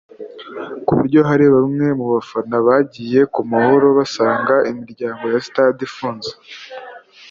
ku buryo hari bamwe mu bafana bagiye ku Mahoro basanga imiryango ya stade ifunze